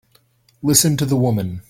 Listen to the woman!